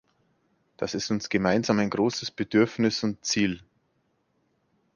Das ist uns gemeinsam ein großes Bedürfnis und Ziel.